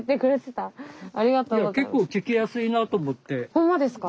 ほんまですか？